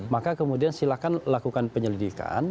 maka kemudian silakan lakukan penyelidikan